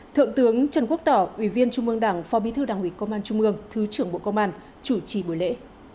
thượng tướng trần quốc tỏ ủy viên trung mương đảng phó bí thư đảng ủy công an trung ương thứ trưởng bộ công an chủ trì buổi lễ